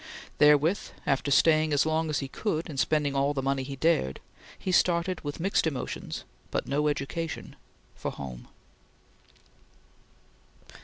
Therewith, after staying as long as he could and spending all the money he dared, he started with mixed emotions but no education, for home.